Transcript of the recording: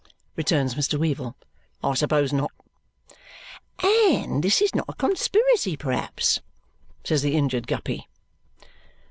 returns Mr. Weevle. "I suppose not." "And this is not a conspiracy, perhaps?" says the injured Guppy.